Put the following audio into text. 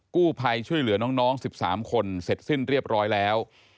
กู้ภัยช่วยเหลือน้อง๑๓คนเสร็จสิ้นเรียบร้อยแล้ว